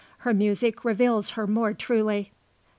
Her music reveals her more truly."